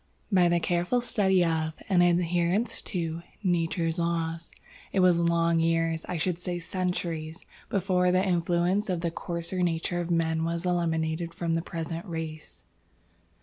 "By the careful study of, and adherence to, Nature's laws. It was long years I should say centuries before the influence of the coarser nature of men was eliminated from the present race.